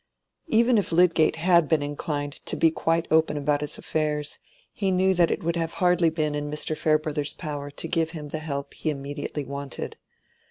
Even if Lydgate had been inclined to be quite open about his affairs, he knew that it would have hardly been in Mr. Farebrother's power to give him the help he immediately wanted.